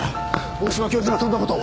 大島教授がそんな事を！？